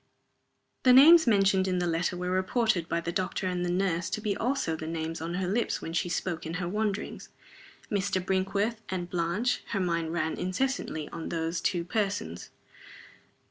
The names mentioned in the letter were reported by the doctor and the nurse to be also the names on her lips when she spoke in her wanderings. "Mr. Brinkworth" and "Blanche" her mind ran incessantly on those two persons.